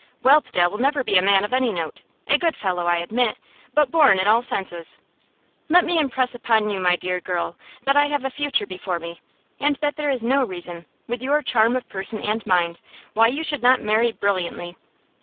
'Whelpdale will never be a man of any note. A good fellow, I admit, but borne in all senses. Let me impress upon you, my dear girl, that I have a future before me, and that there is no reason with your charm of person and mind why you should not marry brilliantly.